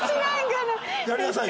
やりなさいよ。